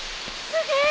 すげえ！